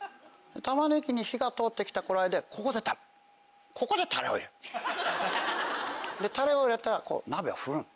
タマネギに火が通ってきた頃合いでここでタレ。でタレを入れたら鍋を振る。